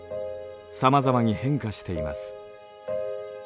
さまざまに変化しています。